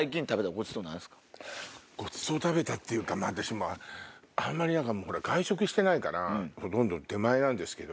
ごちそう食べたっていうか私あんまり外食してないからほとんど出前なんですけど。